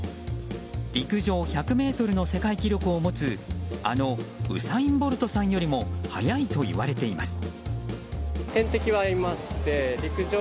陸上１００ｍの世界記録を持つあのウサイン・ボルトさんよりも速いといわれています。